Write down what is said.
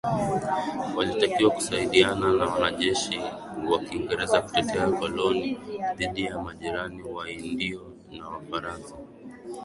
Walitakiwa kusaidiana na wanajeshi wa kiingereza kutetea koloni dhidi ya majirani Waindio na Wafaransa